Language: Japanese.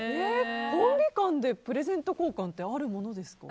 コンビ間でプレゼント交換ってあるもんですか。